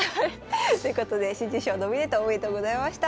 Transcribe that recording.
ということで新人賞ノミネートおめでとうございました。